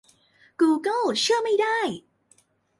กูเกิลเชื่อไม่ได้